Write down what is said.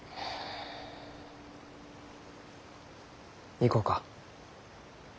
行こうか。